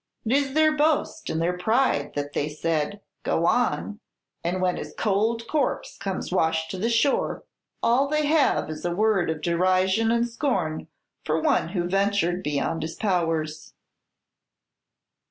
'T is their boast and their pride that they said, 'Go on;' and when his cold corpse comes washed to shore, all they have is a word of derision and scorn for one who ventured beyond his powers."